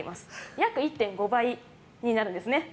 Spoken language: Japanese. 約１．５倍になるんですね。